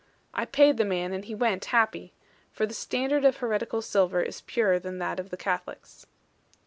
I paid the man, and he went happy; for the standard of heretical silver is purer than that of the Catholics.